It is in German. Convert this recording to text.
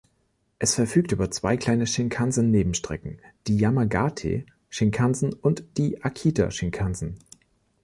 Es verfügt über zwei kleine Shinkansen-Nebenstrecken, die Yamagate-Shinkansen und die Akita-Shinkansen.